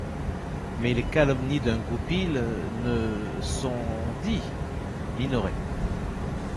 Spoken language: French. Mais les calomnies d’un Goupil… ne… sont… dit Minoret.